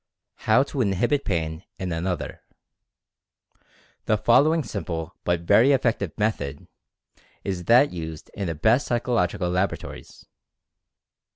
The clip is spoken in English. HOW TO INHIBIT PAIN IN ANOTHER. The following simple, but very effective, method is that used in the best psychological laboratories.